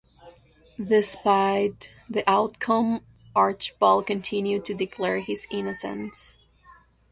Despite the outcome, Archbald continued to declare his innocence.